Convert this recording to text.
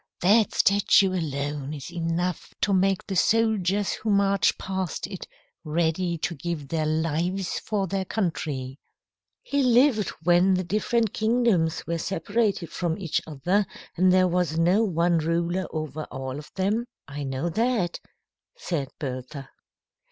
That statue alone is enough to make the soldiers who march past it ready to give their lives for their country." "He lived when the different kingdoms were separated from each other, and there was no one ruler over all of them. I know that," said Bertha.